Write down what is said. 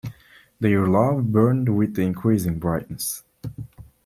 Their love burned with increasing brightness.